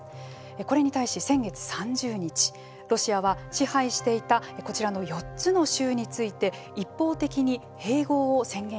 これに対し、先月３０日ロシアは、支配していたこちらの４つの州について一方的に併合を宣言しました。